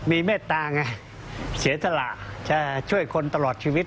มีเมตตาไงเสียสละจะช่วยคนตลอดชีวิต